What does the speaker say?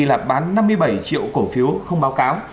là bán năm mươi bảy triệu cổ phiếu không báo cáo